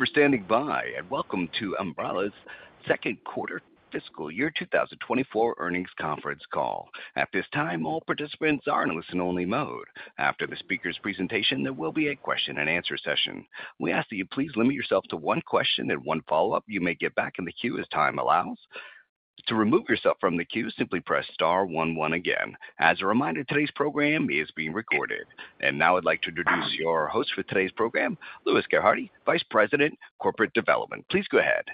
Thank you for standing by, and welcome to Ambarella's second quarter fiscal year 2024 earnings conference call. At this time, all participants are in listen only mode. After the speaker's presentation, there will be a question-and-answer session. We ask that you please limit yourself to one question and one follow-up. You may get back in the queue as time allows. To remove yourself from the queue, simply press star one one again. As a reminder, today's program is being recorded. And now I'd like to introduce your host for today's program, Louis Gerhardy, Vice President, Corporate Development. Please go ahead.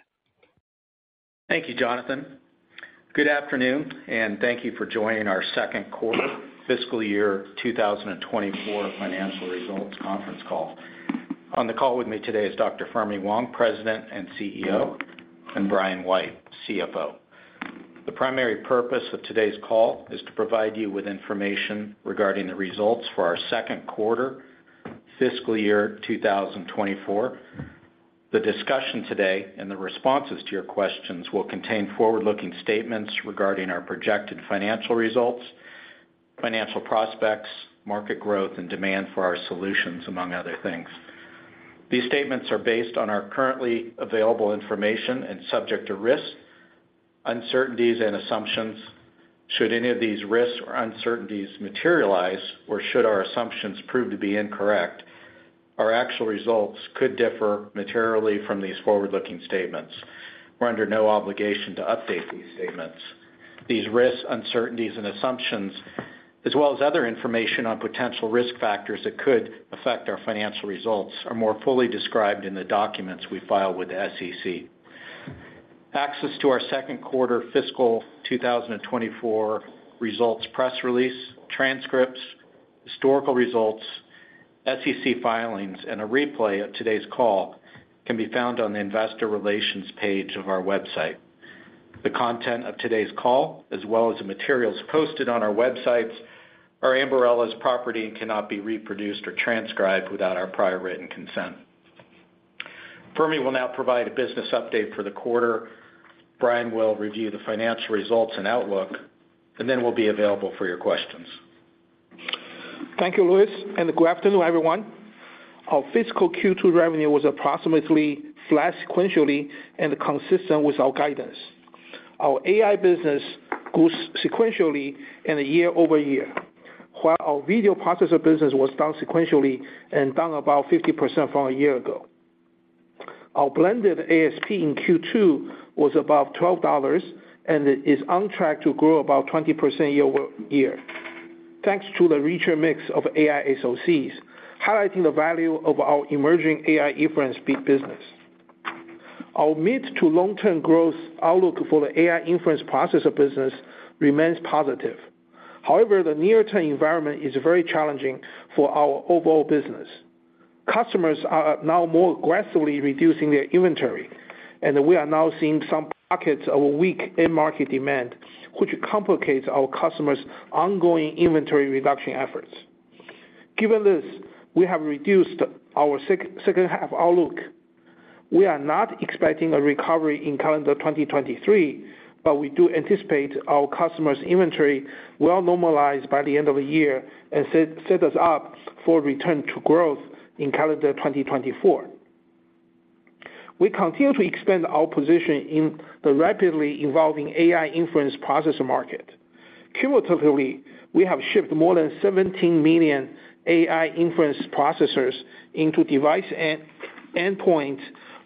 Thank you, Jonathan. Good afternoon, and thank you for joining our second quarter fiscal year 2024 financial results conference call. On the call with me today is Dr. Fermi Wang, President and Chief Executive Officer, and Brian White, Chief Financial Officer. The primary purpose of today's call is to provide you with information regarding the results for our second quarter fiscal year 2024. The discussion today and the responses to your questions will contain forward-looking statements regarding our projected financial results, financial prospects, market growth, and demand for our solutions, among other things. These statements are based on our currently available information and subject to risk, uncertainties, and assumptions. Should any of these risks or uncertainties materialize, or should our assumptions prove to be incorrect, our actual results could differ materially from these forward-looking statements. We're under no obligation to update these statements. These risks, uncertainties, and assumptions, as well as other information on potential risk factors that could affect our financial results, are more fully described in the documents we file with the SEC. Access to our second quarter fiscal 2024 results press release, transcripts, historical results, SEC filings, and a replay of today's call can be found on the investor relations page of our website. The content of today's call, as well as the materials posted on our websites, are Ambarella's property and cannot be reproduced or transcribed without our prior written consent. Fermi will now provide a business update for the quarter. Brian will review the financial results and outlook, and then we'll be available for your questions. Thank you, Louis, and good afternoon, everyone. Our fiscal Q2 revenue was approximately flat sequentially and consistent with our guidance. Our AI business grew sequentially and year over year, while our video processor business was down sequentially and down about 50% from a year ago. Our blended ASP in Q2 was about $12, and it is on track to grow about 20% year-over-year, thanks to the richer mix of AI SoCs, highlighting the value of our emerging AI inference business. Our mid to long-term growth outlook for the AI inference processor business remains positive. However, the near-term environment is very challenging for our overall business. Customers are now more aggressively reducing their inventory, and we are now seeing some pockets of weak end market demand, which complicates our customers' ongoing inventory reduction efforts. Given this, we have reduced our second half outlook. We are not expecting a recovery in calendar 2023, but we do anticipate our customers' inventory will normalize by the end of the year and set us up for return to growth in calendar 2024. We continue to expand our position in the rapidly evolving AI inference processor market. Cumulatively, we have shipped more than 17 million AI inference processors into device endpoint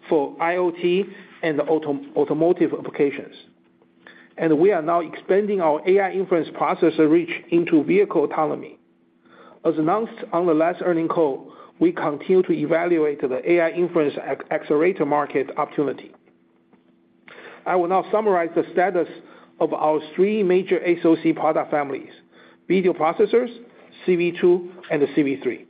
for IoT and automotive applications. We are now expanding our AI inference processor reach into vehicle autonomy. As announced on the last earnings call, we continue to evaluate the AI inference accelerator market opportunity. I will now summarize the status of our three major SoC product families: video processors, CV2, and the CV3.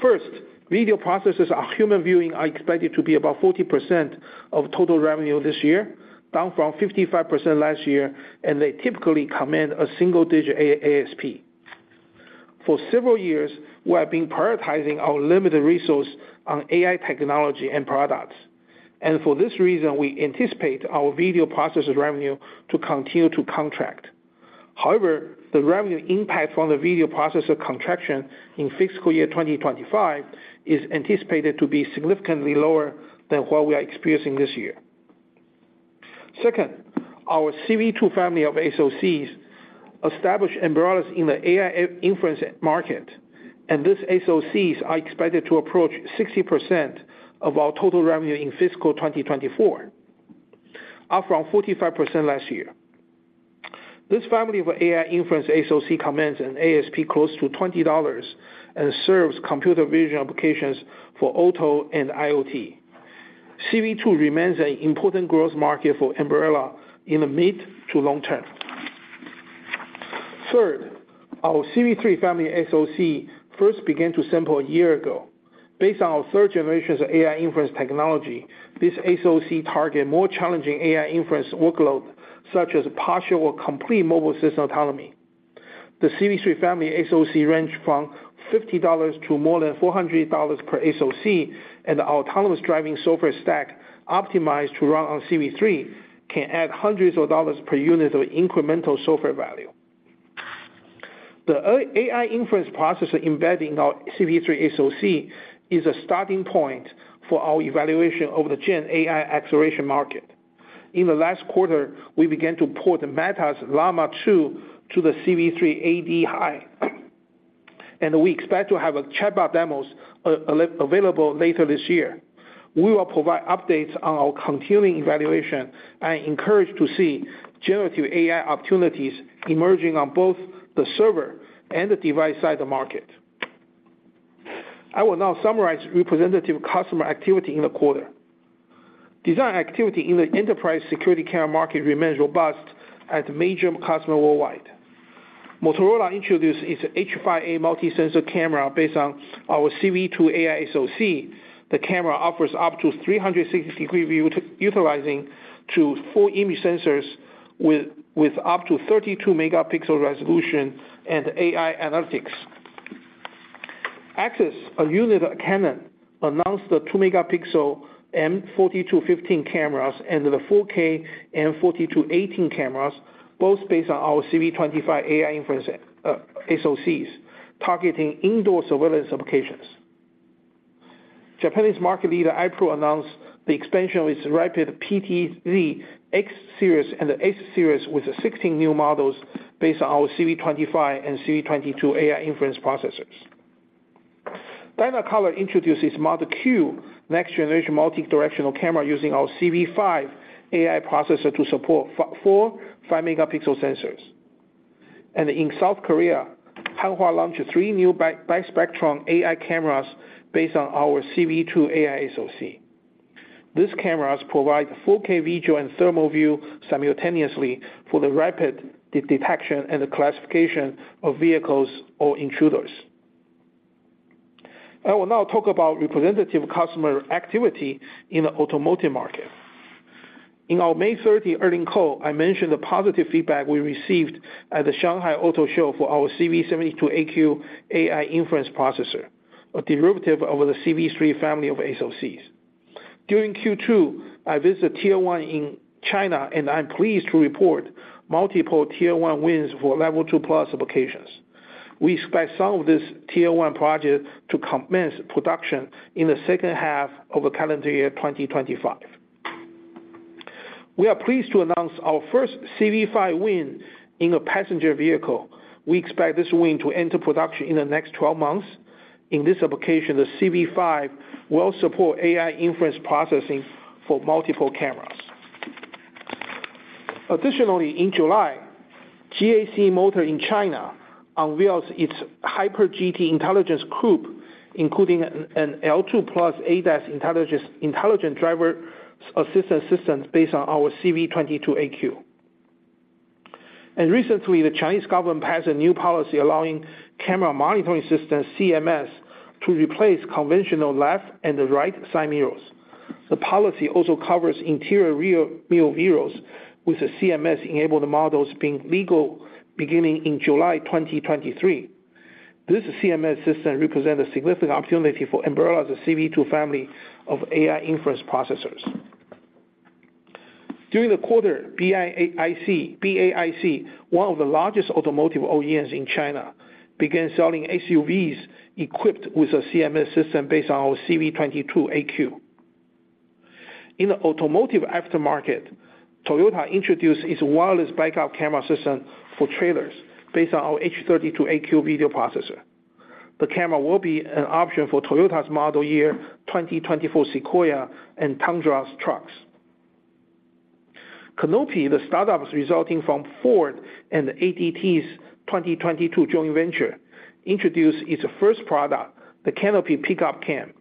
First, video processors for human viewing are expected to be about 40% of total revenue this year, down from 55% last year, and they typically come in a single-digit ASP. For several years, we have been prioritizing our limited resource on AI technology and products, and for this reason, we anticipate our video processor revenue to continue to contract. However, the revenue impact from the video processor contraction in fiscal year 2025 is anticipated to be significantly lower than what we are experiencing this year. Second, our CV2 family of SoCs established Ambarella in the AI inference market, and these SoCs are expected to approach 60% of our total revenue in fiscal 2024, up from 45% last year. This family of AI inference SoC comes in ASP close to $20 and serves computer vision applications for auto and IoT. CV2 remains an important growth market for Ambarella in the mid to long term. Third, our CV3 family SoC first began to sample a year ago. Based on our third generation of AI inference technology, this SoC target more challenging AI inference workload, such as partial or complete mobile system autonomy. The CV3 family SoC range from $50 to more than $400 per SoC, and the autonomous driving software stack, optimized to run on CV3, can add hundreds of dollars per unit of incremental software value. The AI inference processor embedding our CV3 SoC is a starting point for our evaluation of the gen AI acceleration market. In the last quarter, we began to port Meta's Llama 2 to the CV3-AD-High. We expect to have chatbot demos available later this year. We will provide updates on our continuing evaluation. I'm encouraged to see generative AI opportunities emerging on both the server and the device side of the market. I will now summarize representative customer activity in the quarter. Design activity in the enterprise security camera market remains robust at major customers worldwide. Motorola introduced its H5A multi-sensor camera based on our CV2 AI SoC. The camera offers up to 360-degree view, utilizing two to four image sensors with up to 32-megapixel resolution and AI analytics. Axis, a unit of Canon, announced the 2-megapixel M4215 cameras and the 4K M4218 cameras, both based on our CV25 AI inference SoCs, targeting indoor surveillance applications. Japanese market leader, i-PRO, announced the expansion of its Rapid PTZ X-Series and the S Series, with 16 new models based on our CV25 and CV22 AI inference processors. Dynacolor introduces Model Q, next-generation multi-directional camera using our CV5 AI processor to support four 5 megapixel sensors. In South Korea, Hanwha launched three new bi-spectrum AI cameras based on our CV2 AI SoC. These cameras provide 4K video and thermal view simultaneously for the rapid detection and the classification of vehicles or intruders. I will now talk about representative customer activity in the automotive market. In our May 30 earnings call, I mentioned the positive feedback we received at the Shanghai Auto Show for our CV72AQ AI inference processor, a derivative of the CV3 family of SoCs. During Q2, I visited Tier 1 in China, and I'm pleased to report multiple Tier 1 wins for Level 2+ applications. We expect some of this Tier 1 project to commence production in the second half of the calendar year 2025. We are pleased to announce our first CV5 win in a passenger vehicle. We expect this win to enter production in the next 12 months. In this application, the CV5 will support AI inference processing for multiple cameras. Additionally, in July, GAC Motor in China unveils its Hyper GT intelligent coupe, including an L2+ ADAS intelligent driver assistance system based on our CV22AQ. Recently, the Chinese government passed a new policy allowing camera monitoring system, CMS, to replace conventional left and the right side mirrors. The policy also covers interior rear view mirrors, with the CMS-enabled models being legal beginning in July 2023. This CMS system represent a significant opportunity for Ambarella, the CV2 family of AI inference processors. During the quarter, BAIC, one of the largest automotive OEMs in China, began selling SUVs equipped with a CMS system based on our CV22AQ. In the automotive aftermarket, Toyota introduced its wireless backup camera system for trailers based on our H32AQ video processor. The camera will be an option for Toyota's model year 2024 Sequoia and Tundra trucks. Canopy, the startup resulting from Ford and ADT's 2022 joint venture, introduced its first product, the Canopy Pickup Cam.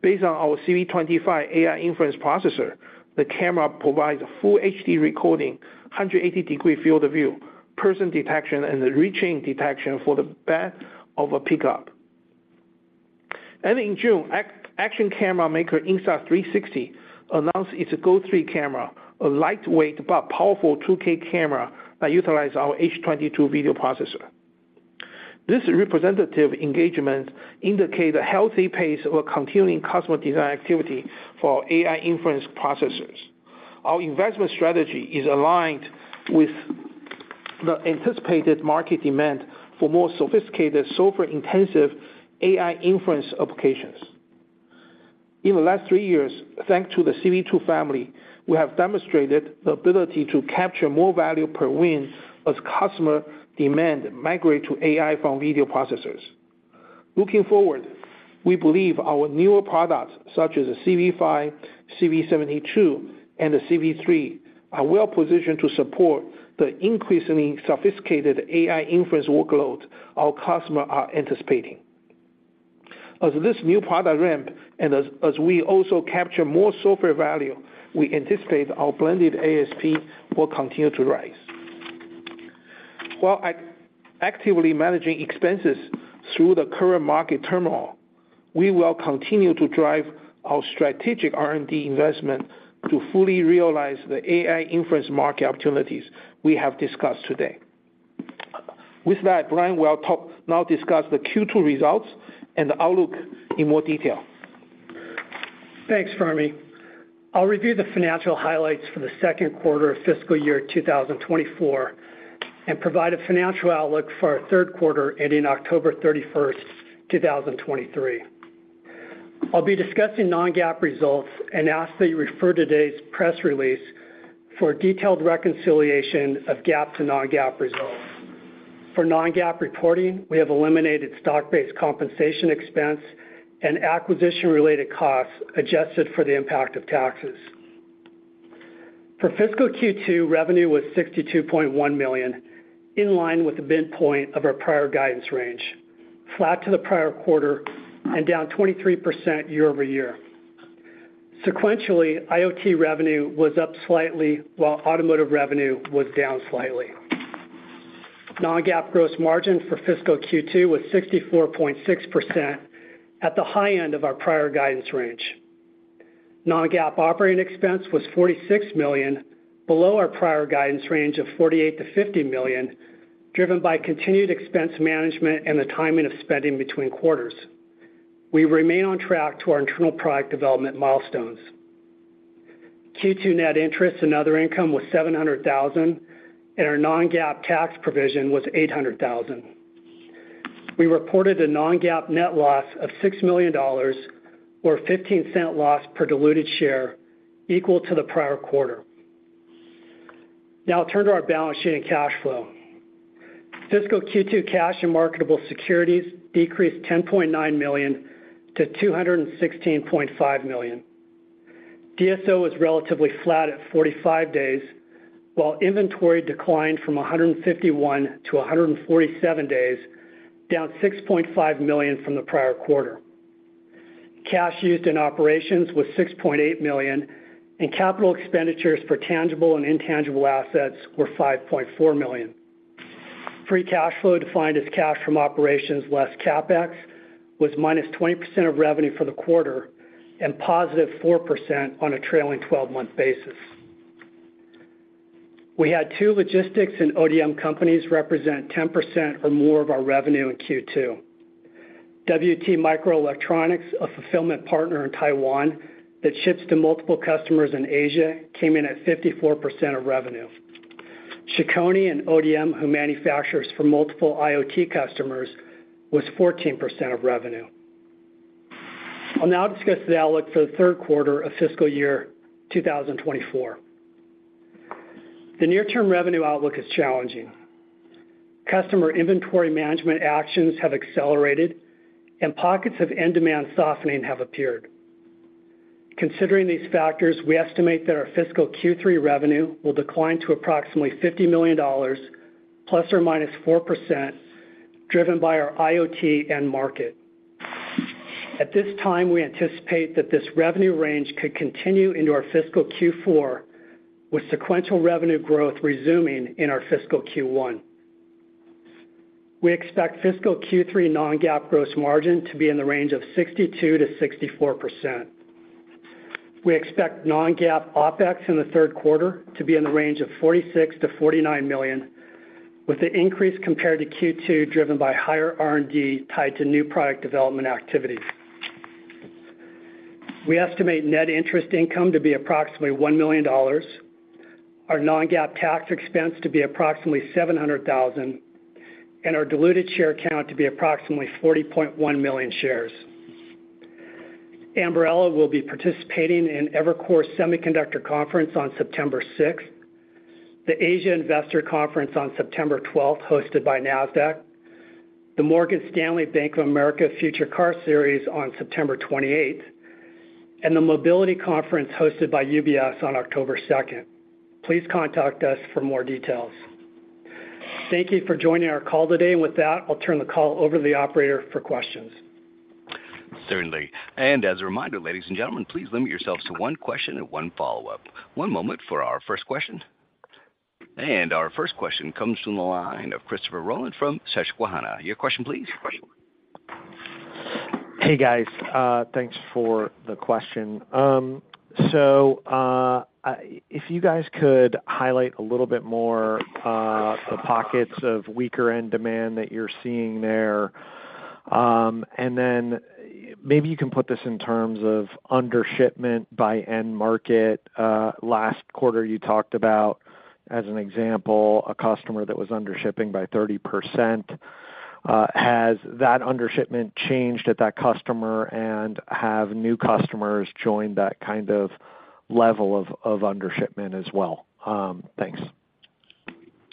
Based on our CV25 AI inference processor, the camera provides a full HD recording, 180-degree field of view, person detection, and the reaching detection for the back of a pickup. And in June, action camera maker, Insta360, announced its GO 3 camera, a lightweight but powerful 2K camera that utilize our H22 video processor. This representative engagement indicate a healthy pace of continuing customer design activity for AI inference processors. Our investment strategy is aligned with the anticipated market demand for more sophisticated, software-intensive AI inference applications. In the last three years, thanks to the CV2 family, we have demonstrated the ability to capture more value per win as customer demand migrate to AI from video processors. Looking forward, we believe our newer products, such as the CV5, CV72, and the CV3, are well positioned to support the increasingly sophisticated AI inference workloads our customer are anticipating. As this new product ramp, and as we also capture more software value, we anticipate our blended ASP will continue to rise. While actively managing expenses through the current market turmoil, we will continue to drive our strategic R&D investment to fully realize the AI inference market opportunities we have discussed today. With that, Brian will now discuss the Q2 results and the outlook in more detail. Thanks, Fermi. I'll review the financial highlights for the second quarter of fiscal year 2024, and provide a financial outlook for our third quarter, ending October 31, 2023. I'll be discussing non-GAAP results and ask that you refer to today's press release for a detailed reconciliation of GAAP to non-GAAP results. For non-GAAP reporting, we have eliminated stock-based compensation expense and acquisition-related costs, adjusted for the impact of taxes. For fiscal Q2, revenue was $62.1 million, in line with the midpoint of our prior guidance range, flat to the prior quarter and down 23% year-over-year. Sequentially, IoT revenue was up slightly, while automotive revenue was down slightly. Non-GAAP gross margin for fiscal Q2 was 64.6% at the high end of our prior guidance range. Non-GAAP operating expense was $46 million, below our prior guidance range of $48-$50 million, driven by continued expense management and the timing of spending between quarters. We remain on track to our internal product development milestones. Q2 net interest and other income was $700,000, and our non-GAAP tax provision was $800,000. We reported a non-GAAP net loss of $6 million, or $0.15 loss per diluted share, equal to the prior quarter. Now I'll turn to our balance sheet and cash flow. Fiscal Q2 cash and marketable securities decreased $10.9 million to $216.5 million. DSO was relatively flat at 45 days, while inventory declined from 151 to 147 days, down $6.5 million from the prior quarter. Cash used in operations was $6.8 million, and capital expenditures for tangible and intangible assets were $5.4 million. Free cash flow, defined as cash from operations less CapEx, was -20% of revenue for the quarter and positive 4% on a trailing twelve-month basis. We had two logistics and ODM companies represent 10% or more of our revenue in Q2. WT Microelectronics, a fulfillment partner in Taiwan that ships to multiple customers in Asia, came in at 54% of revenue. Chicony and ODM, who manufactures for multiple IoT customers, was 14% of revenue. I'll now discuss the outlook for the third quarter of fiscal year 2024. The near-term revenue outlook is challenging. Customer inventory management actions have accelerated, and pockets of end demand softening have appeared. Considering these factors, we estimate that our fiscal Q3 revenue will decline to approximately $50 million, ±4%, driven by our IoT end market. At this time, we anticipate that this revenue range could continue into our fiscal Q4, with sequential revenue growth resuming in our fiscal Q1. We expect fiscal Q3 non-GAAP gross margin to be in the range of 62%-64%. We expect non-GAAP OpEx in the third quarter to be in the range of $46 million-$49 million, with the increase compared to Q2, driven by higher R&D tied to new product development activities. We estimate net interest income to be approximately $1 million, our non-GAAP tax expense to be approximately $700,000, and our diluted share count to be approximately 40.1 million shares. Ambarella will be participating in Evercore Semiconductor Conference on September 6, the Asia Investor Conference on September 12, hosted by Nasdaq, the Morgan Stanley Bank of America Future Car Series on September 28, and the Mobility Conference hosted by UBS on October 2nd. Please contact us for more details. Thank you for joining our call today. With that, I'll turn the call over to the operator for questions. Certainly. And as a reminder, ladies and gentlemen, please limit yourselves to one question and one follow-up. One moment for our first question. And our first question comes from the line of Christopher Rolland from Susquehanna. Your question, please. Hey, guys, thanks for the question. So, if you guys could highlight a little bit more the pockets of weaker end demand that you're seeing there, and then maybe you can put this in terms of under-shipment by end market. Last quarter, you talked about, as an example, a customer that was under-shipping by 30%. Has that under-shipment changed at that customer, and have new customers joined that kind of level of under-shipment as well? Thanks.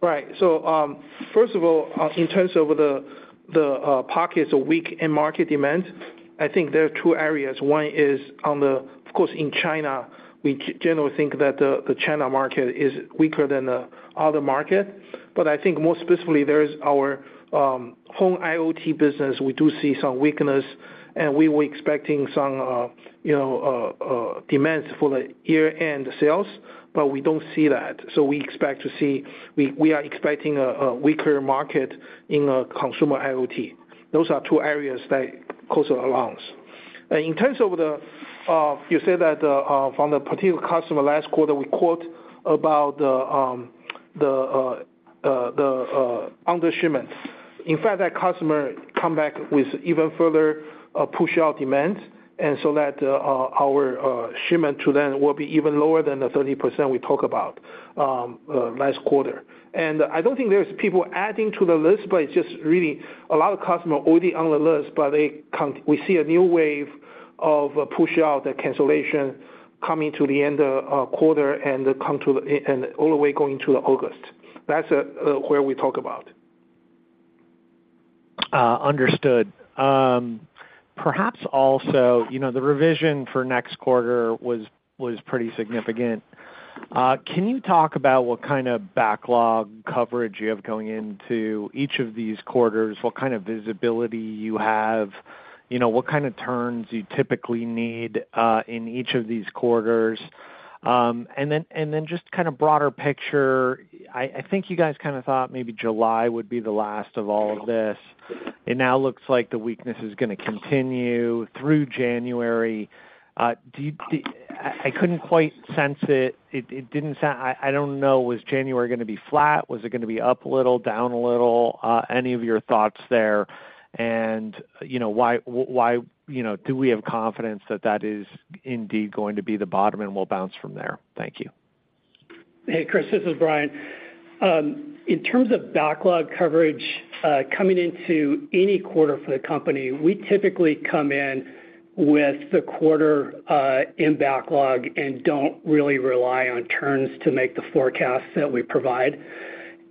Right. So, first of all, in terms of the pockets of weak end market demand, I think there are two areas. One is, of course, in China. We generally think that the China market is weaker than the other market. But I think more specifically, there is our home IoT business. We do see some weakness, and we were expecting some, you know, demands for the year-end sales, but we don't see that. So we expect to see—we are expecting a weaker market in the consumer IoT. Those are two areas that comes to our minds. In terms of the, you said that, from the particular customer last quarter, we quote on the shipments. In fact, that customer come back with even further push out demand, and so that our shipment to them will be even lower than the 30% we talked about last quarter. And I don't think there's people adding to the list, but it's just really a lot of customer already on the list, but they come, we see a new wave of push out, the cancellation coming to the end of quarter and come to the and all the way going to August. That's where we talk about. Understood. Perhaps also, you know, the revision for next quarter was, was pretty significant. Can you talk about what kind of backlog coverage you have going into each of these quarters? What kind of visibility you have? You know, what kind of turns you typically need in each of these quarters? And then just kind of broader picture, I think you guys kind of thought maybe July would be the last of all of this. It now looks like the weakness is going to continue through January. I couldn't quite sense it. It didn't sound... I don't know, was January going to be flat? Was it going to be up a little, down a little? Any of your thoughts there, and, you know, why, you know, do we have confidence that that is indeed going to be the bottom and we'll bounce from there? Thank you. Hey, Chris, this is Brian. In terms of backlog coverage, coming into any quarter for the company, we typically come in with the quarter in backlog and don't really rely on turns to make the forecasts that we provide,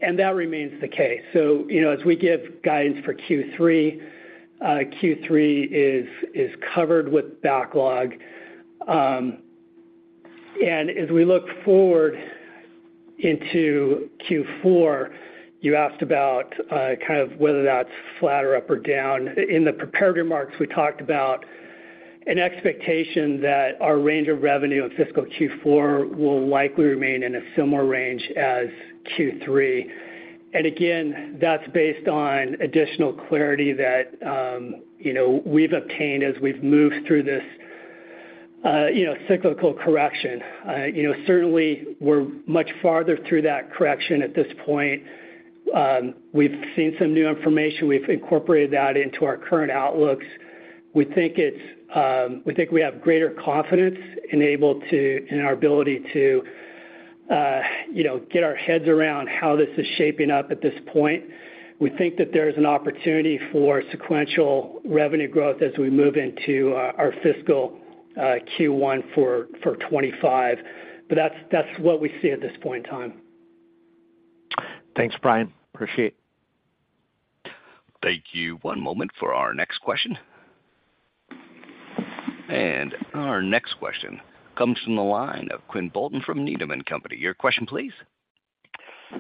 and that remains the case. So, you know, as we give guidance for Q3, Q3 is covered with backlog. And as we look forward into Q4, you asked about kind of whether that's flat or up or down. In the prepared remarks, we talked about an expectation that our range of revenue in fiscal Q4 will likely remain in a similar range as Q3. And again, that's based on additional clarity that, you know, we've obtained as we've moved through this, you know, cyclical correction. You know, certainly we're much farther through that correction at this point. We've seen some new information. We've incorporated that into our current outlooks. We think it's, we think we have greater confidence and able to, in our ability to, you know, get our heads around how this is shaping up at this point. We think that there's an opportunity for sequential revenue growth as we move into, our fiscal, Q1 for 2025. But that's, that's what we see at this point in time. Thanks, Brian. Appreciate it. Thank you. One moment for our next question. Our next question comes from the line of Quinn Bolton from Needham & Company. Your question, please.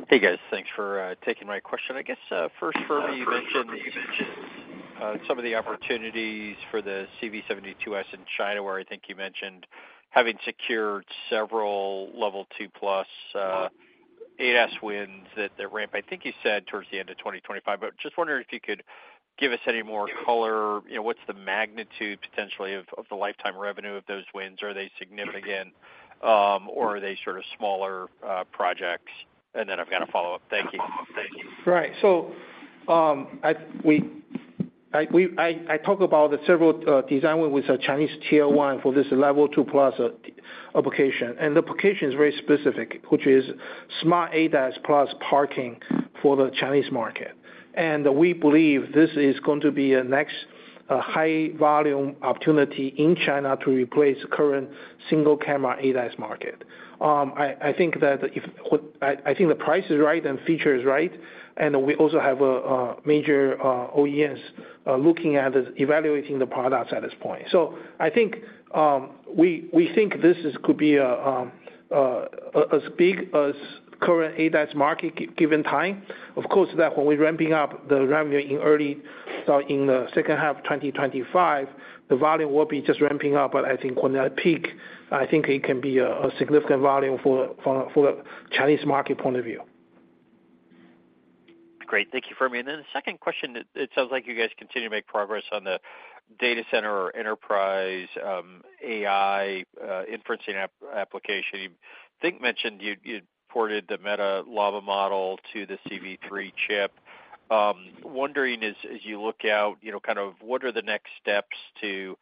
Hey, guys. Thanks for taking my question. I guess first, Fermi, you mentioned some of the opportunities for the CV72S in China, where I think you mentioned having secured several Level 2+ ADAS wins that, that ramp, I think you said, towards the end of 2025. But just wondering if you could give us any more color, you know, what's the magnitude potentially of the lifetime revenue of those wins? Are they significant or are they sort of smaller projects? And then I've got a follow-up. Thank you. Right. So, I talk about the several design win with a Chinese Tier 1 for this Level 2+ application, and the application is very specific, which is Smart ADAS plus parking for the Chinese market. We believe this is going to be a next high volume opportunity in China to replace current single-camera ADAS market. I think the price is right and feature is right, and we also have a major OEMs looking at this, evaluating the products at this point. So I think we think this is could be a as big as current ADAS market given time. Of course, that when we're ramping up the revenue in early, in the second half of 2025, the volume will be just ramping up. But I think when that peak, I think it can be a, a significant volume for, for, for the Chinese market point of view. Great. Thank you, Fermi. And then the second question, it sounds like you guys continue to make progress on the data center or enterprise AI inferencing application. I think you mentioned you ported the Meta Llama model to the CV3 chip. Wondering, as you look out, you know, kind of what are the next steps to, you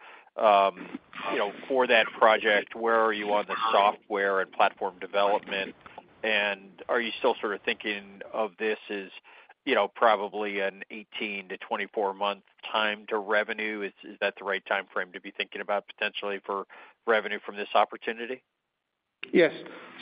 know, for that project, where are you on the software and platform development? And are you still sort of thinking of this as, you know, probably an 18 to 24-month time to revenue? Is that the right time frame to be thinking about potentially for revenue from this opportunity? Yes.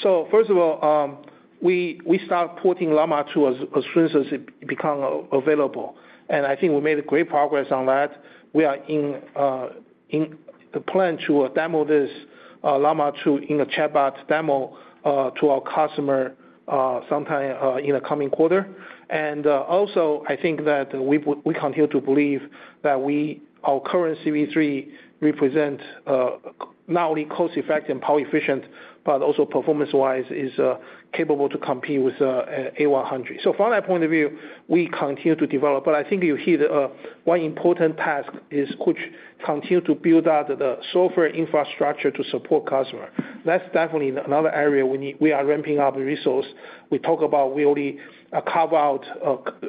So first of all, we start porting Llama 2 as soon as it become available, and I think we made great progress on that. We are in the plan to demo this Llama 2 in a chatbot demo to our customer sometime in the coming quarter. And also, I think that we continue to believe that our current CV3 represent not only cost-effective and power efficient, but also performance-wise is capable to compete with A100. So from that point of view, we continue to develop, but I think you hear the one important task is which continue to build out the software infrastructure to support customer. That's definitely another area we need we are ramping up the resource. We talk about we only carve out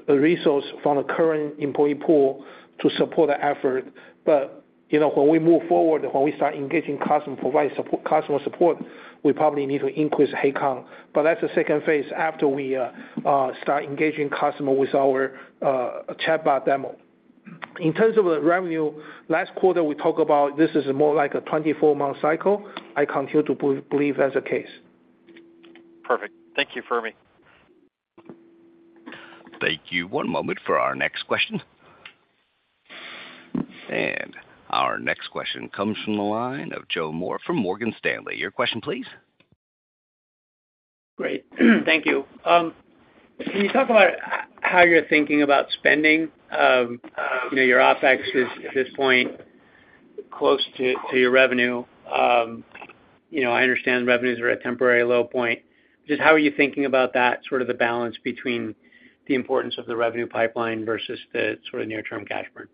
a resource from the current employee pool to support the effort. But, you know, when we move forward, when we start engaging customer, provide support, customer support, we probably need to increase head count. But that's the second phase, after we start engaging customer with our chatbot demo. In terms of the revenue, last quarter, we talked about this is more like a 24-month cycle. I continue to believe that's the case. Perfect. Thank you, Fermi. Thank you. One moment for our next question. Our next question comes from the line of Joe Moore from Morgan Stanley. Your question, please? Great. Thank you. Can you talk about how you're thinking about spending? You know, your OpEx is, at this point, close to your revenue. You know, I understand revenues are at temporary low point. Just how are you thinking about that, sort of the balance between the importance of the revenue pipeline versus the sort of near-term cash burn?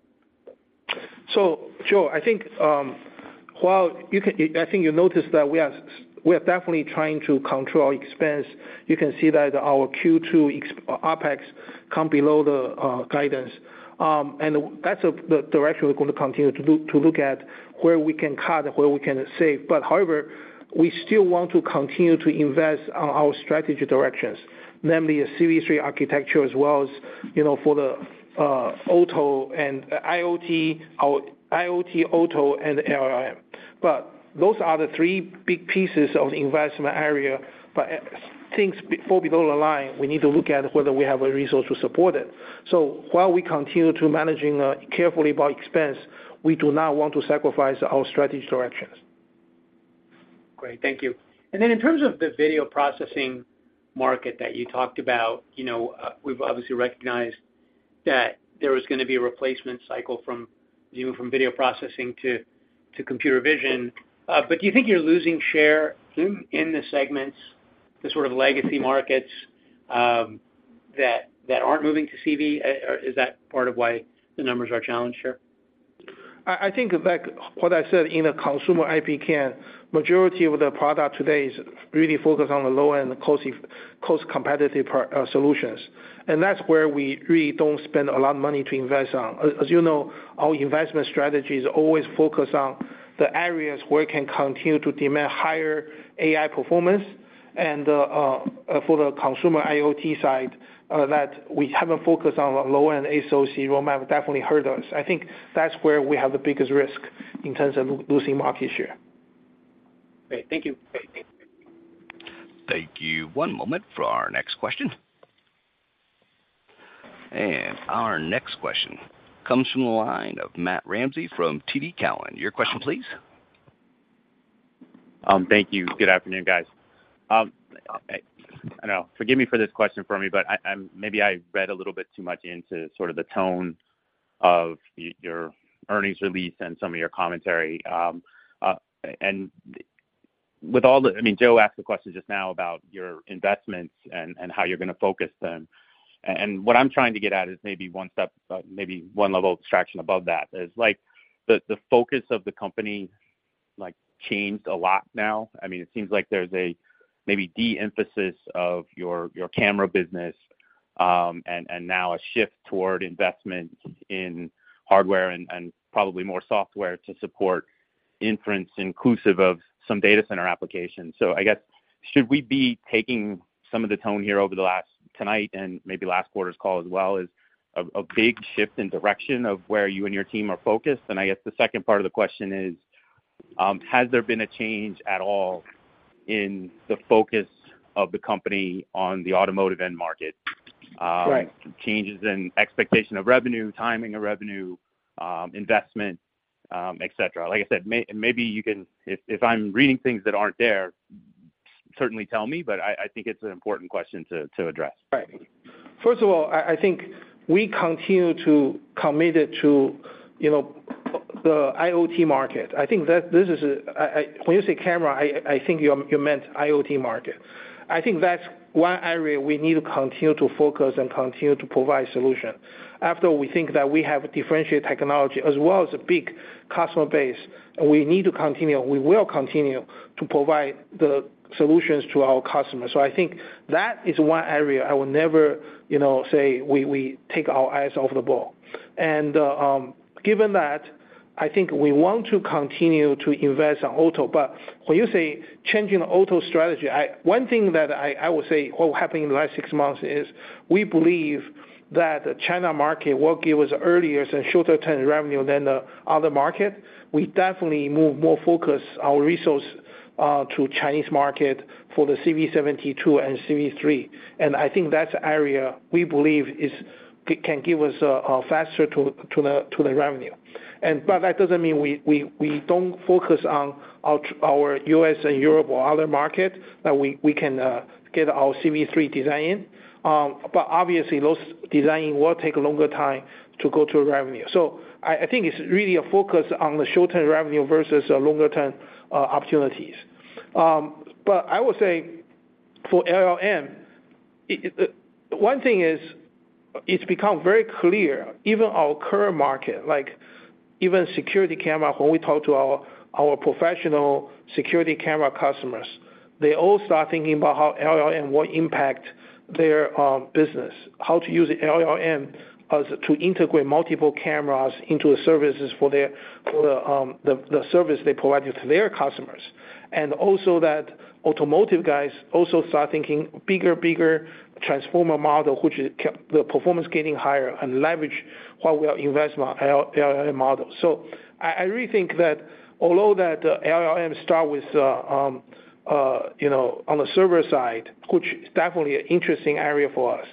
So Joe, I think, while you can - I think you noticed that we are, we are definitely trying to control our expense. You can see that our Q2 OpEx come below the guidance. And that's the direction we're going to continue to look, to look at where we can cut and where we can save. But however, we still want to continue to invest on our strategy directions, namely a CV3 architecture, as well as, you know, for the auto and IoT, our IoT auto and LLM. But those are the three big pieces of investment area. But things before we go online, we need to look at whether we have a resource to support it. So while we continue to managing carefully by expense, we do not want to sacrifice our strategy directions. Great, thank you. And then in terms of the video processing market that you talked about, you know, we've obviously recognized that there was gonna be a replacement cycle from, you know, from video processing to computer vision. But do you think you're losing share in the segments, the sort of legacy markets that aren't moving to CV? Is that part of why the numbers are challenged here? I think back what I said, in the consumer IP cam, majority of the product today is really focused on the low-end, cost, cost competitive solutions. And that's where we really don't spend a lot of money to invest on. As you know, our investment strategy is always focused on the areas where it can continue to demand higher AI performance. And for the consumer IoT side, that we have a focus on the low-end SoC roadmap definitely heard us. I think that's where we have the biggest risk in terms of losing market share. Great. Thank you. Thank you. One moment for our next question. Our next question comes from the line of Matt Ramsey from TD Cowen. Your question, please. Thank you. Good afternoon, guys. I know, forgive me for this question, but I'm maybe I read a little bit too much into sort of the tone of your earnings release and some of your commentary. And with all the I mean, Joe asked the question just now about your investments and how you're gonna focus them. And what I'm trying to get at is maybe one step, maybe one level of abstraction above that, is, like, the focus of the company, like, changed a lot now. I mean, it seems like there's a maybe de-emphasis of your camera business, and now a shift toward investment in hardware and probably more software to support inference, inclusive of some data center applications. So I guess, should we be taking some of the tone here over the last night and maybe last quarter's call as well, as a big shift in direction of where you and your team are focused? And I guess the second part of the question is, has there been a change at all in the focus of the company on the automotive end market? Right. Changes in expectation of revenue, timing of revenue, investment, et cetera. Like I said, maybe you can—if I'm reading things that aren't there, certainly tell me, but I think it's an important question to address. Right. First of all, I think we continue to be committed to, you know, the IoT market. I think that this is a, when you say camera, I think you meant IoT market. I think that's one area we need to continue to focus and continue to provide solution. Also we think that we have differentiated technology as well as a big customer base, and we need to continue, we will continue to provide the solutions to our customers. So I think that is one area I will never, you know, say we take our eyes off the ball. Given that, I think we want to continue to invest in auto, but when you say changing the auto strategy, one thing that I will say happened in the last six months is, we believe that the China market will give us earlier and shorter-term revenue than the other market. We definitely move more focus our resource to Chinese market for the CV72 and CV3. And I think that's the area we believe is can give us a faster to the revenue. But that doesn't mean we don't focus on our U.S. and Europe or other market, that we can get our CV3 design in. But obviously, those designing will take a longer time to go to revenue. So I think it's really a focus on the short-term revenue versus a longer-term opportunities. But I will say for LLM, one thing is, it's become very clear, even our current market, like even security camera, when we talk to our professional security camera customers, they all start thinking about how LLM will impact their business, how to use LLM as to integrate multiple cameras into the services for the service they provided to their customers, and also that automotive guys also start thinking bigger transformer model, which is kept the performance getting higher and leverage while we are invest our LLM model. So I really think that although that LLM start with, you know, on the server side, which is definitely an interesting area for us,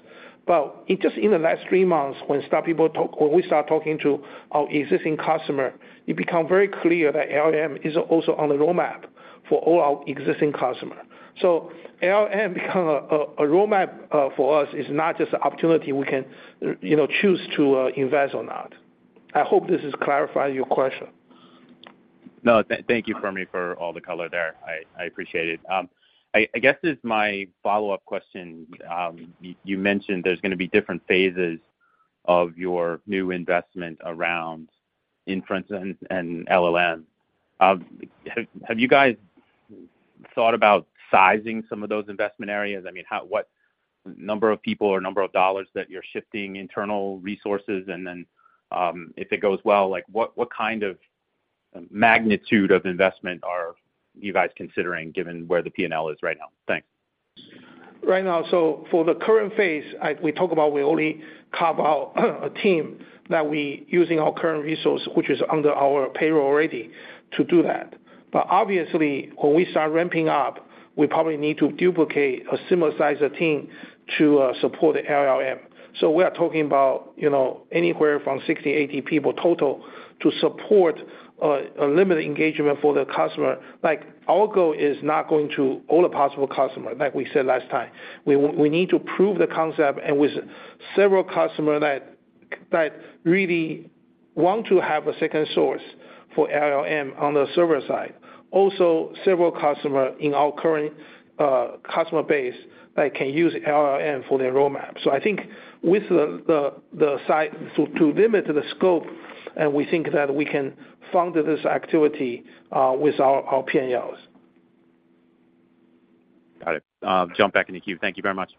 but it just in the last three months, when start people talk, when we start talking to our existing customer, it become very clear that LLM is also on the roadmap for all our existing customer. So LLM become a roadmap, uh, for us, is not just an opportunity we can, you know, choose to invest or not. I hope this has clarified your question. No, thank you, Fermi, for all the color there. I appreciate it. I guess as my follow-up question, you mentioned there's gonna be different phases of your new investment around inference and LLM. Have you guys thought about sizing some of those investment areas? I mean, what number of people or number of dollars that you're shifting internal resources and then, if it goes well, like, what kind of magnitude of investment are you guys considering, given where the P&L is right now? Thanks. Right now, so for the current phase, I we talk about we only carve out a team that we using our current resource, which is under our payroll already, to do that. But obviously, when we start ramping up, we probably need to duplicate a similar size of team to support the LLM. So we are talking about, you know, anywhere from 60-80 people total to support a limited engagement for the customer. Like, our goal is not going to all the possible customer, like we said last time. We we need to prove the concept and with several customer that that really want to have a second source for LLM on the server side. Also, several customer in our current customer base, that can use LLM for their roadmap. So I think with the site, so to limit the scope, and we think that we can fund this activity with our P&Ls. Got it. I'll jump back in the queue. Thank you very much.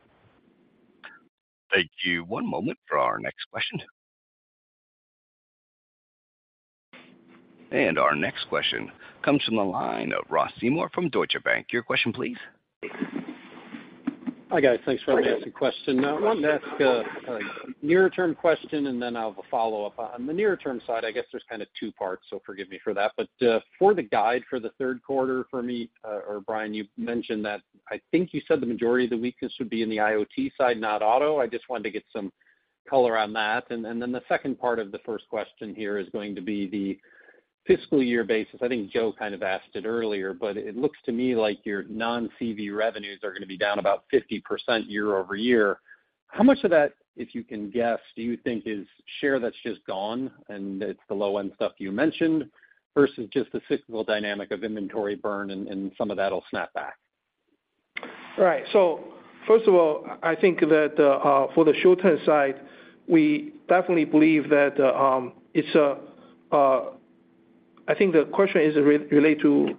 Thank you. One moment for our next question. Our next question comes from the line of Ross Seymore from Deutsche Bank. Your question, please. Hi, guys. Thanks for taking the question. Now, I wanted to ask a near-term question, and then I'll have a follow-up. On the near-term side, I guess there's kind of two parts, so forgive me for that. But, for the guide for the third quarter, Fermi, or Brian, you mentioned that I think you said the majority of the weakness would be in the IoT side, not auto. I just wanted to get some color on that. And then the second part of the first question here is going to be the fiscal year basis. I think Joe kind of asked it earlier, but it looks to me like your non-CV revenues are going to be down about 50% year-over-year. How much of that, if you can guess, do you think is share that's just gone, and it's the low-end stuff you mentioned, versus just the cyclical dynamic of inventory burn and some of that'll snap back? Right. So first of all, I think that, for the short-term side, we definitely believe that, it's a... I think the question is related to-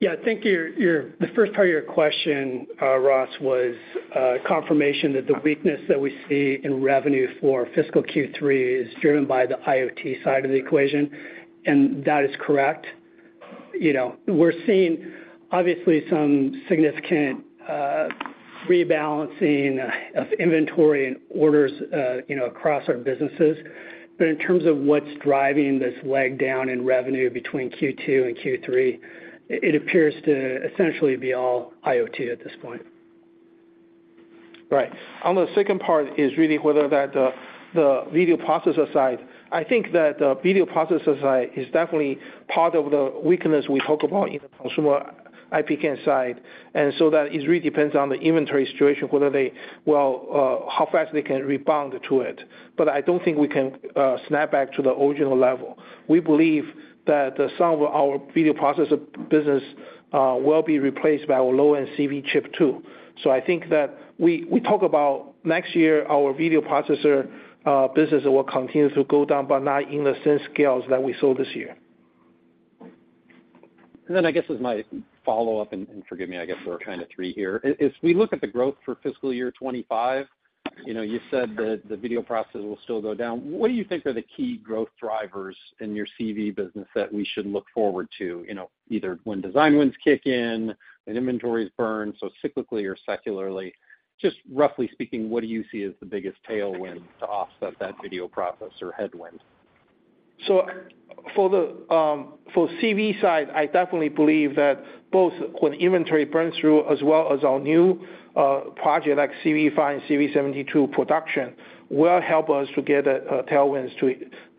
Yeah, I think your, your, the first part of your question, Ross, was confirmation that the weakness that we see in revenue for fiscal Q3 is driven by the IoT side of the equation, and that is correct. You know, we're seeing obviously some significant rebalancing of inventory and orders, you know, across our businesses. But in terms of what's driving this leg down in revenue between Q2 and Q3, it appears to essentially be all IoT at this point. Right. On the second part is really whether that, the video processor side. I think that video processor side is definitely part of the weakness we talk about in the consumer IP camera side, and so that it really depends on the inventory situation, whether they, well, how fast they can rebound to it. But I don't think we can snap back to the original level. We believe that some of our video processor business will be replaced by our low-end CV chip too. So I think that we talk about next year, our video processor business will continue to go down, but not in the same scales that we saw this year. And then I guess as my follow-up, and, and forgive me, I guess there were kind of three here. As, as we look at the growth for fiscal year 2025, you know, you said that the video processor will still go down. What do you think are the key growth drivers in your CV business that we should look forward to? You know, either when design wins kick in and inventories burn, so cyclically or secularly, just roughly speaking, what do you see as the biggest tailwind to offset that video processor headwind? So for the CV side, I definitely believe that both when inventory burns through, as well as our new project, like CV5, CV72 production, will help us to get tailwinds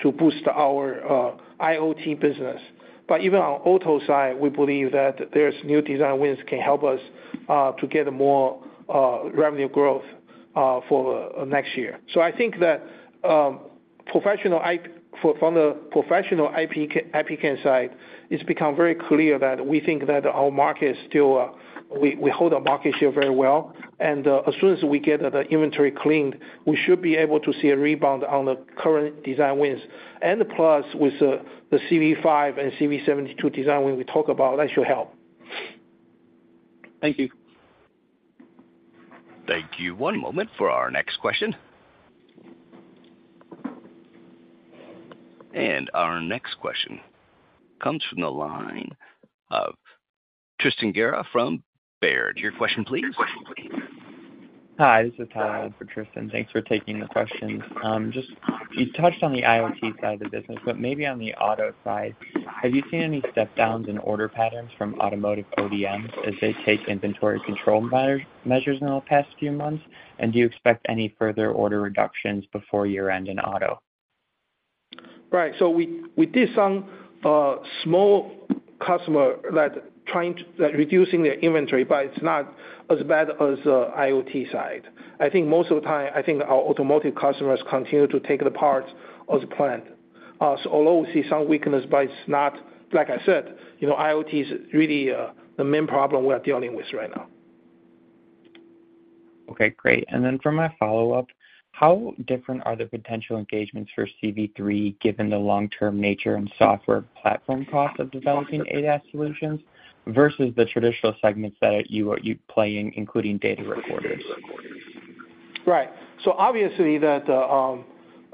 to boost our IoT business. But even on auto side, we believe that there's new design wins can help us to get more revenue growth for next year. So I think that professional IP camera side, it's become very clear that we think that our market is still we hold our market share very well, and as soon as we get the inventory cleaned, we should be able to see a rebound on the current design wins. And plus, with the CV5 and CV72 design win we talk about, that should help. Thank you. Thank you. One moment for our next question... Our next question comes from the line of Tristan Gerra from Baird. Your question, please. Hi, this is Tristan. Thanks for taking the questions. Just, you touched on the IoT side of the business, but maybe on the auto side, have you seen any step downs in order patterns from automotive ODMs as they take inventory control measures in the past few months? And do you expect any further order reductions before year-end in auto? Right. So we did some small customer that trying to, that reducing their inventory, but it's not as bad as IoT side. I think most of the time, I think our automotive customers continue to take the parts as planned. So although we see some weakness, but it's not, like I said, you know, IoT is really the main problem we are dealing with right now. Okay, great. And then for my follow-up, how different are the potential engagements for CV3, given the long-term nature and software platform cost of developing ADAS solutions versus the traditional segments that you are, you play in, including data recorders? Right. So obviously, the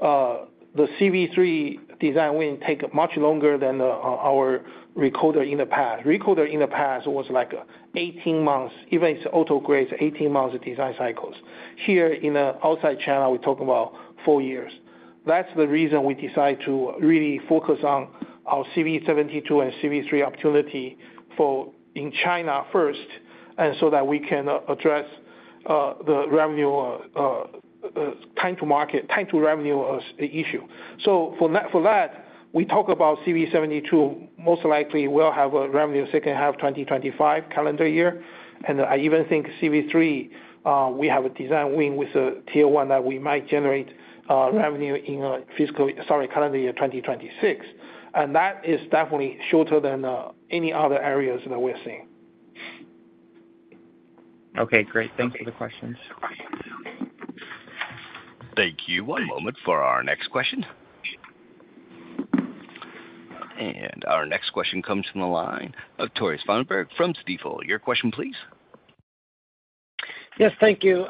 CV3 design will take much longer than our recorders in the past. Recorders in the past was like 18 months, even its auto grades, 18 months of design cycles. Here, outside China, we talk about four years. That's the reason we decide to really focus on our CV72 and CV3 opportunity for in China first, and so that we can address the revenue time to market, time to revenue as the issue. So for that, we talk about CV72 most likely will have revenue second half 2025, calendar year. And I even think CV3 we have a design win with a Tier 1 that we might generate revenue in fiscal, sorry, calendar year 2026. And that is definitely shorter than any other areas that we're seeing. Okay, great. Thank you for the questions. Thank you. One moment for our next question. Our next question comes from the line of Tore Svanberg from Stifel. Your question, please. Yes, thank you.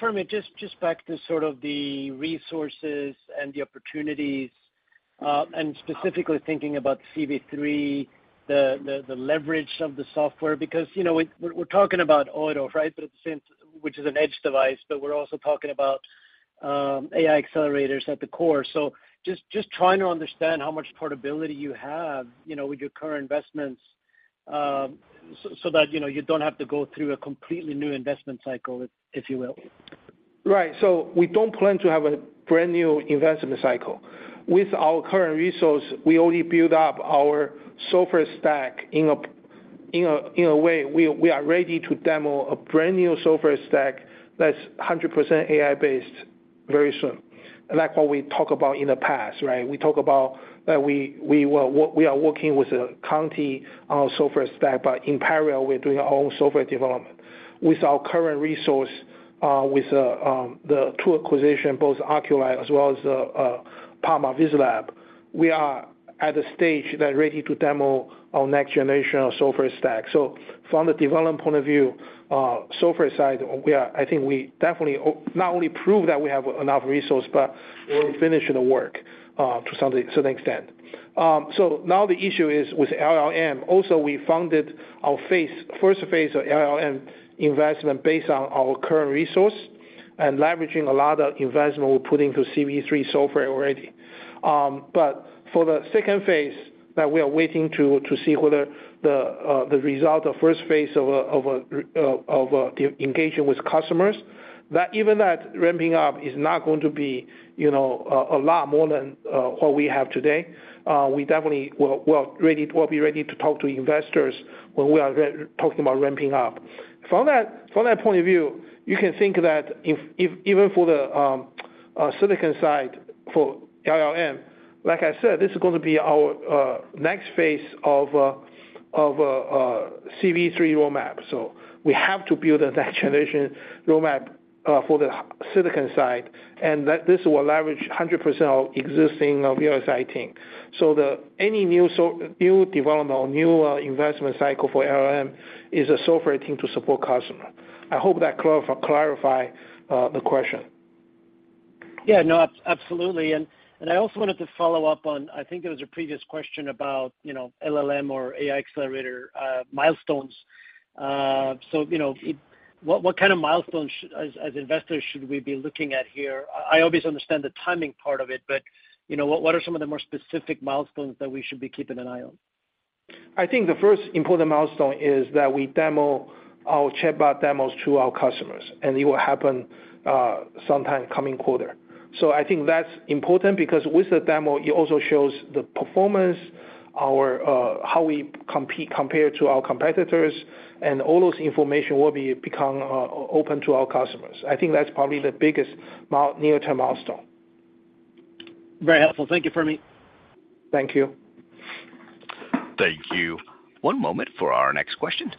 Fermi, just back to sort of the resources and the opportunities, and specifically thinking about CV3, the leverage of the software, because, you know, we're talking about auto, right? But at the same, which is an edge device, but we're also talking about AI accelerators at the core. So just trying to understand how much portability you have, you know, with your current investments, so that, you know, you don't have to go through a completely new investment cycle, if you will. Right. So we don't plan to have a brand new investment cycle. With our current resource, we already build up our software stack in a way, we are ready to demo a brand new software stack that's 100% AI-based very soon. And that's what we talk about in the past, right? We talk about that we were - we are working with Continental on software stack, but in parallel, we're doing our own software development. With our current resource, with the two acquisitions, both Oculii as well as VisLab, we are at a stage that ready to demo our next generation of software stack. So from the development point of view, software side, we are—I think we definitely not only prove that we have enough resource, but we're finishing the work to some extent. So now the issue is with LLM. Also, we funded our first phase of LLM investment based on our current resource and leveraging a lot of investment we're putting to CV3 software already. But for the second phase, that we are waiting to see whether the result of first phase of engaging with customers, that even that ramping up is not going to be, you know, a lot more than what we have today. We definitely will be ready to talk to investors when we are talking about ramping up. From that point of view, you can think that if even for the silicon side, for LLM, like I said, this is going to be our next phase of CV3 roadmap. So we have to build the next generation roadmap for the silicon side, and that this will leverage 100% of existing VSI team. So any new development or new investment cycle for LLM is a software team to support customer. I hope that clarify the question. Yeah, no, absolutely. And, and I also wanted to follow up on, I think it was a previous question about, you know, LLM or AI accelerator milestones. So, you know, what, what kind of milestones, as, as investors, should we be looking at here? I obviously understand the timing part of it, but, you know, what, what are some of the more specific milestones that we should be keeping an eye on? I think the first important milestone is that we demo our chatbot demos to our customers, and it will happen sometime coming quarter. So I think that's important because with the demo, it also shows the performance, our how we compete compared to our competitors, and all those information will be become open to our customers. I think that's probably the biggest near-term milestone. Very helpful. Thank you, Fermi. Thank you. Thank you. One moment for our next question.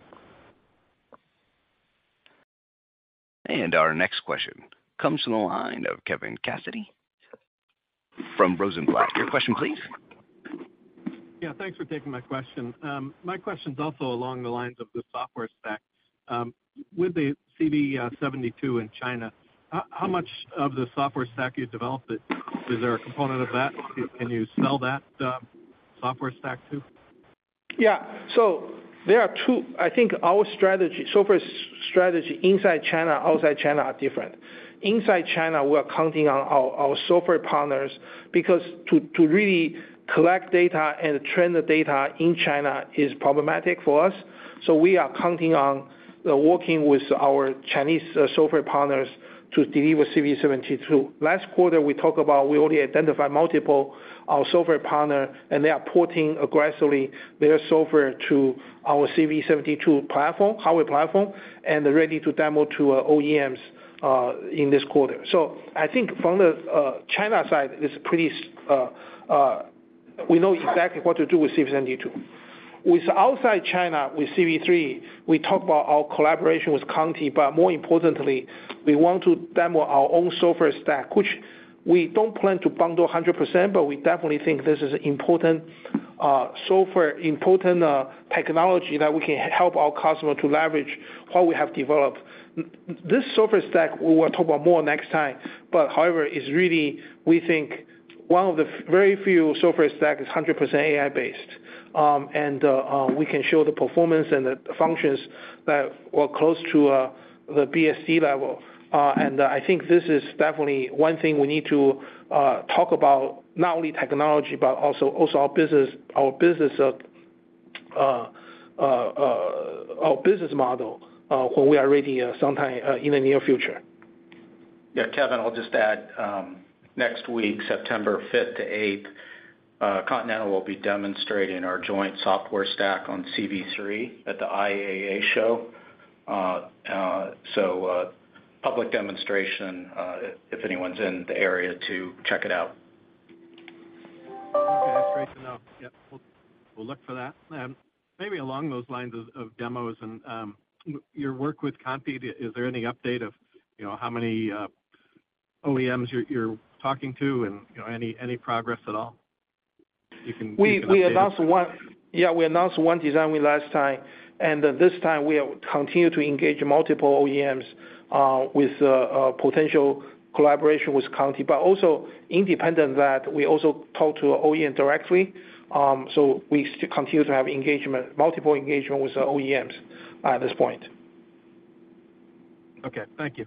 Our next question comes from the line of Kevin Cassidy from Rosenblatt. Your question, please? Yeah, thanks for taking my question. My question is also along the lines of the software stack. With the CV 72 in China, how much of the software stack you developed it? Is there a component of that? Can you sell that software stack, too? Yeah. So there are two. I think our strategy, software strategy inside China, outside China, are different. Inside China, we are counting on our software partners, because to really collect data and train the data in China is problematic for us. So we are counting on working with our Chinese software partners to deliver CV72. Last quarter, we talked about we already identified multiple software partners, and they are porting aggressively their software to our CV72 platform, hardware platform, and they're ready to demo to OEMs in this quarter. So I think from the China side, it's pretty. We know exactly what to do with CV72. With outside China, with CV3, we talk about our collaboration with Conti, but more importantly, we want to demo our own software stack, which we don't plan to bundle 100%, but we definitely think this is important software, important technology that we can help our customer to leverage what we have developed. This software stack, we will talk about more next time, but however, is really, we think one of the very few software stack is 100% AI-based. And, we can show the performance and the functions that were close to the BSC level. And I think this is definitely one thing we need to talk about, not only technology, but also, also our business, our business, our business model, when we are ready, sometime in the near future. Yeah, Kevin, I'll just add, next week, September fifth to eighth, Continental will be demonstrating our joint software stack on CV3 at the IAA show. So, public demonstration, if anyone's in the area to check it out. Okay, great to know. Yep, we'll, we'll look for that. Maybe along those lines of demos and your work with Conti, is there any update of, you know, how many OEMs you're talking to and, you know, any progress at all? You can give an update. We announced one design win last time, and this time we have continued to engage multiple OEMs with a potential collaboration with Conti, but also independent that we also talk to OEM directly. So we still continue to have engagement, multiple engagement with OEMs at this point. Okay, thank you.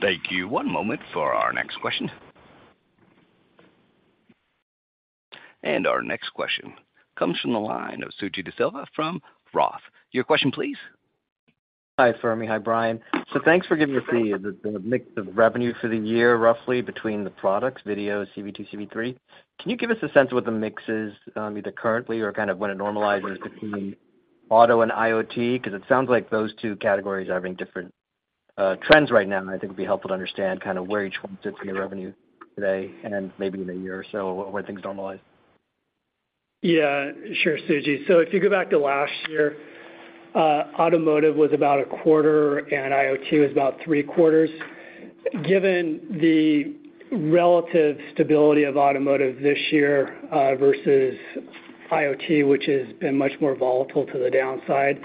Thank you. One moment for our next question. Our next question comes from the line of Suji Desilva from Roth. Your question, please. Hi, Fermi. Hi, Brian. So thanks for giving us the mix of revenue for the year, roughly between the products, video, CV2, CV3. Can you give us a sense of what the mix is, either currently or kind of when it normalizes between auto and IoT? Because it sounds like those two categories are having different trends right now, and I think it'd be helpful to understand kind of where each one sits in your revenue today and maybe in a year or so when things normalize. Yeah, sure, Suji. So if you go back to last year, automotive was about a quarter, and IoT was about three quarters. Given the relative stability of automotive this year, versus IoT, which has been much more volatile to the downside,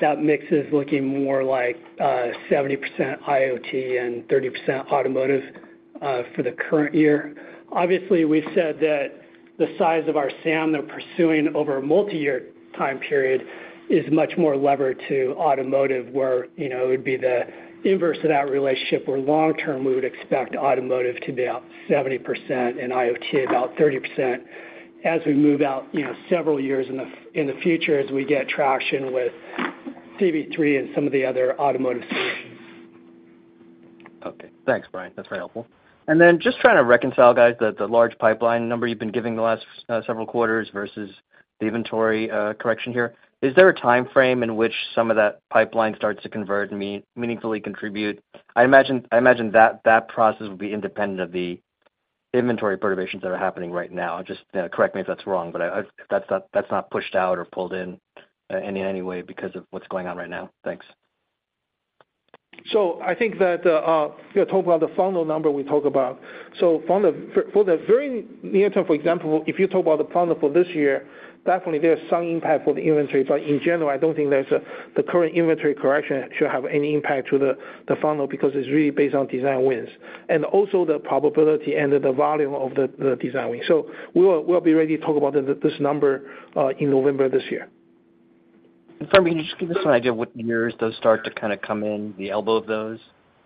that mix is looking more like seventy percent IoT and thirty percent automotive, for the current year. Obviously, we've said that the size of our SAM that we're pursuing over a multi-year time period is much more levered to automotive, where, you know, it would be the inverse of that relationship, where long term, we would expect automotive to be about seventy percent and IoT about thirty percent as we move out, you know, several years in the future, as we get traction with CV3 and some of the other automotive solutions. Okay. Thanks, Brian. That's very helpful. And then just trying to reconcile, guys, the large pipeline number you've been giving the last several quarters versus the inventory correction here. Is there a time frame in which some of that pipeline starts to convert and meaningfully contribute? I imagine that process will be independent of the inventory perturbations that are happening right now. Just correct me if that's wrong, but that's not pushed out or pulled in in any way because of what's going on right now. Thanks. So I think that if you talk about the funnel number, we talk about. So funnel for the very near term, for example, if you talk about the funnel for this year, definitely there's some impact for the inventory. But in general, I don't think there's a—the current inventory correction should have any impact to the funnel because it's really based on design wins, and also the probability and the volume of the design wins. So we will—we'll be ready to talk about this number in November this year. Fermi, can you just give us an idea of what years those start to kind of come in, the elbow of those?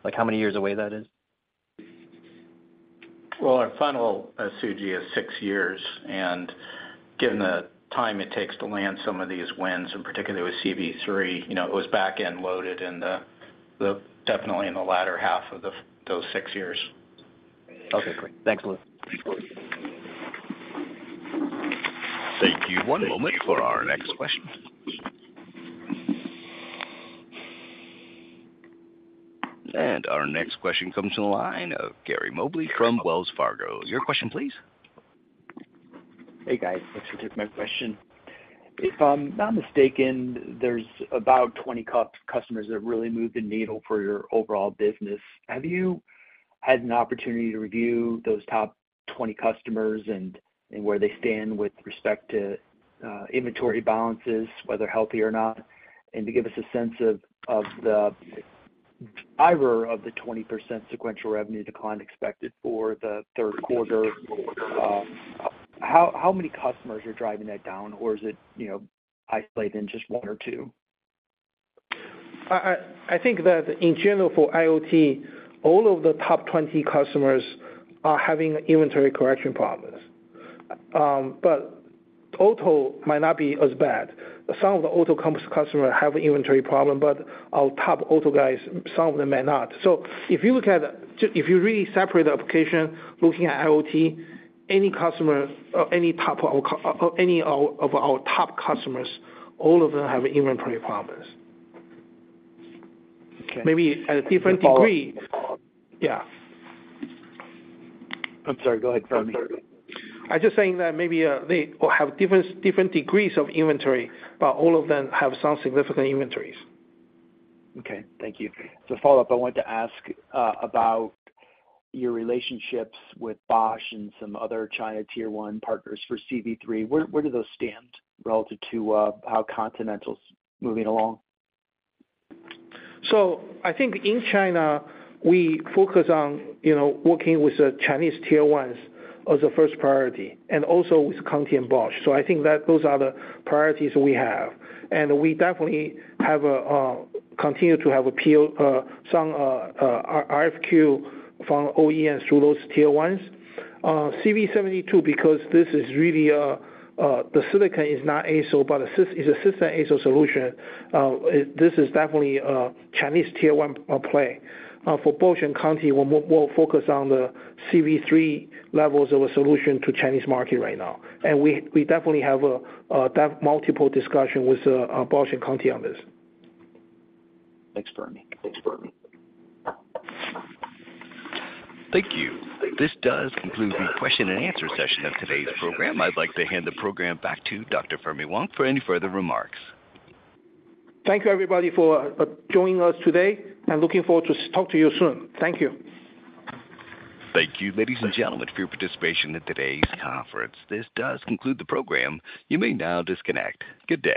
Like, how many years away that is? Well, our funnel, Suji, is six years, and given the time it takes to land some of these wins, and particularly with CV3, you know, it was back-end loaded in the latter half of those six years. Okay, great. Thanks a lot. Thank you. One moment for our next question. Our next question comes from the line of Gary Mobley from Wells Fargo. Your question, please. Hey, guys. Thanks for taking my question. If I'm not mistaken, there's about 20 customers that really move the needle for your overall business. Have you had an opportunity to review those top 20 customers and where they stand with respect to inventory balances, whether healthy or not? And to give us a sense of the driver of the 20% sequential revenue decline expected for the third quarter, how many customers are driving that down, or is it, you know, isolated in just one or two? I think that in general, for IoT, all of the top 20 customers are having inventory correction problems. But auto might not be as bad. Some of the auto OEMs customers have inventory problem, but our top auto guys, some of them may not. So if you look at, if you really separate the application, looking at IoT, any customer, or any type of, any of, of our top customers, all of them have inventory problems. Okay. Maybe at a different degree. Yeah. I'm sorry, go ahead, Fermi. I'm just saying that maybe they have different degrees of inventory, but all of them have some significant inventories. Okay, thank you. To follow up, I wanted to ask about your relationships with Bosch and some other China Tier 1 partners for CV3. Where, where do those stand relative to how Continental's moving along? So I think in China, we focus on, you know, working with the Chinese Tier 1s as a first priority, and also with Conti and Bosch. So I think that those are the priorities we have. And we definitely have a, continue to have appeal, some, RFQ from OEMs through those Tier 1s. CV72, because this is really, the silicon is not ASIL, but is a system ASIL solution, this is definitely a Chinese Tier 1 play. For Bosch and Conti, we'll, we'll focus on the CV3 levels of a solution to Chinese market right now. And we, we definitely have a, have multiple discussion with, Bosch and Conti on this. Thanks, Fermi. Thanks, Fermi. Thank you. This does conclude the question and answer session of today's program. I'd like to hand the program back to Dr. Fermi Wang for any further remarks. Thank you, everybody, for joining us today, and looking forward to talk to you soon. Thank you. Thank you, ladies and gentlemen, for your participation in today's conference. This does conclude the program. You may now disconnect. Good day.